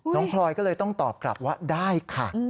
พลอยก็เลยต้องตอบกลับว่าได้ค่ะ